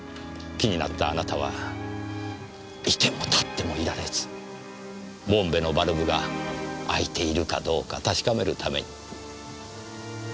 気になったあなたは居ても立ってもいられずボンベのバルブが開いているかどうか確かめるために。